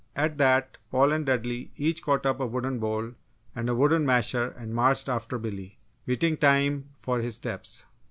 At that, Paul and Dudley each caught up a wooden bowl and a wooden masher and marched after Billy, beating time for his steps.